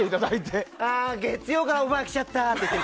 月曜からオファー来ちゃったってね。